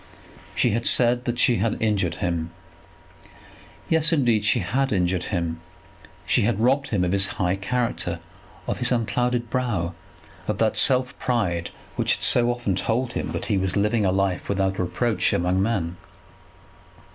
She had said that she had injured him. Yes, indeed, she had injured him! She had robbed him of his high character, of his unclouded brow, of that self pride which had so often told him that he was living a life without reproach among men.